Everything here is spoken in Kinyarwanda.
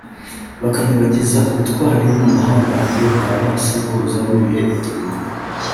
bakabibagiza ubutwari n’ubuhangange bwa ba sekuruza b’ibihe igihumbi